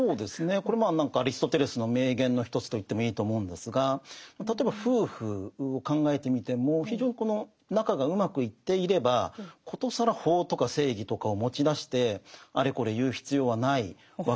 これもアリストテレスの名言の一つと言ってもいいと思うんですが例えば夫婦を考えてみても非常にこの仲がうまくいっていれば殊更法とか正義とかを持ち出してあれこれ言う必要はないわけですよね。